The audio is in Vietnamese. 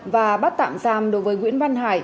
và bắt tạm giam đối với nguyễn văn hải